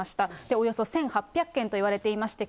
およそ１８００件といわれていまして、